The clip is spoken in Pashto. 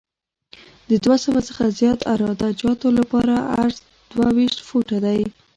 د دوه سوه څخه زیات عراده جاتو لپاره عرض دوه ویشت فوټه دی